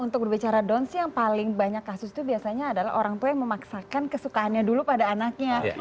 untuk berbicara down sih yang paling banyak kasus itu biasanya adalah orang tua yang memaksakan kesukaannya dulu pada anaknya